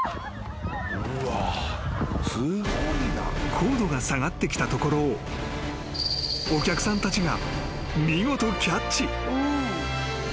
［高度が下がってきたところをお客さんたちが］